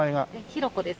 浩子です。